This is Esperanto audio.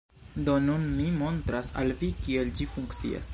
Do, nun mi montras al vi kiel ĝi funkcias